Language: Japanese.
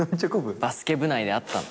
バスケ部内であったの。